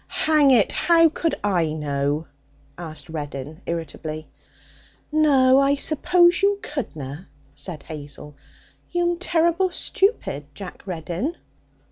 'Hang it! how could I know?' asked Reddin irritably. 'No. I suppose you couldna,' said Hazel; 'you'm terrible stupid, Jack Reddin!'